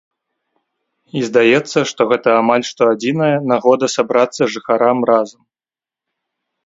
І здаецца, што гэта амаль што адзіная нагода сабрацца жыхарам разам.